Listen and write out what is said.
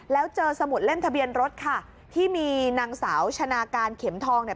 แล้วเจอสมุดเล่มทะเบียนรถค่ะที่มีนางสาวชนะการเข็มทองเนี่ย